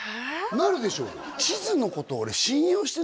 なるでしょ私が？